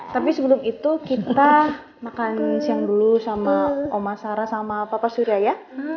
tapi sebelum itu kita makan siang dulu sama oma sarah sama papa surya ya